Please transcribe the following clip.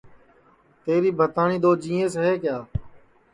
تیری بھتاٹؔی دؔو جینٚیس ہے کیا